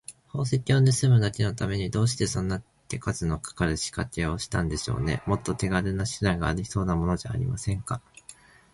宝石をぬすむだけのために、どうしてそんな手数のかかるしかけをしたんでしょうね。もっと手がるな手段がありそうなものじゃありませんか。